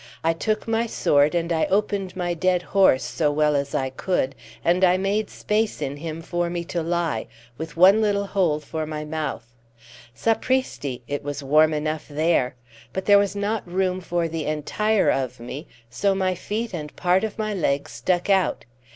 I took my sword, and I opened my dead horse, so well as I could, and I made space in him for me to lie, with one little hole for my mouth. Sapristi! It was warm enough there. But there was not room for the entire of me, so my feet and part of my legs stuck out.